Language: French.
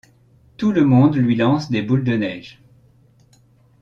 Tout le monde lui lance des boules de neige.